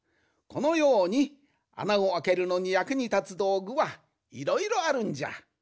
このようにあなをあけるのにやくにたつどうぐはいろいろあるんじゃ。